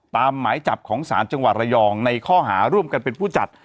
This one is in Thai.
หมายจับของศาลจังหวัดระยองในข้อหาร่วมกันเป็นผู้จัด